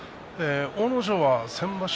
阿武咲は先場所